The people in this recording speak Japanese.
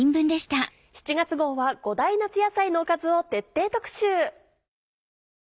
７月号は５大夏野菜のおかずを徹底特集。